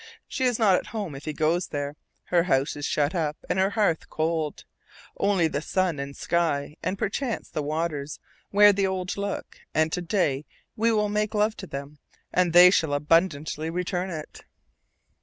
She is not at home if he goes there; her house is shut up and her hearth cold; only the sun and sky, and perchance the waters, wear the old look, and to day we will make love to them, and they shall abundantly return it.